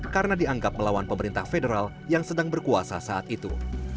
karena dianggap melawan pemerintah federal yang sedang berkuasa saat itu